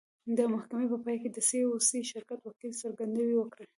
د محکمې په پای کې د سي او سي شرکت وکیل څرګندونې وکړې.